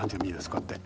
こうやって。